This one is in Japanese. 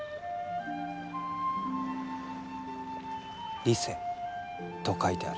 「里世」と書いてある。